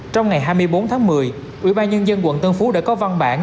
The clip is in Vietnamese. trong ngày hai mươi bốn tháng một mươi ủy ban nhân dân quận tân phú đã có văn bản